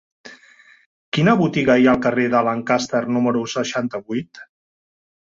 Quina botiga hi ha al carrer de Lancaster número seixanta-vuit?